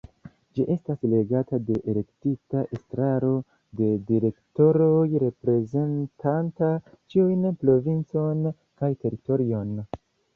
Ĝi estas regata de elektita Estraro de direktoroj reprezentanta ĉiun provincon kaj teritorion.